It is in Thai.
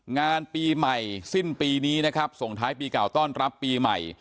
งานปีใหม่สิ้นปีนี้นะครับส่งท้ายปีเก่าต้อนรับปีใหม่